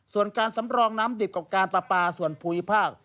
ส่วนการสำรองน้ำดิบกับการปลาปลาส่วนภูมิภาค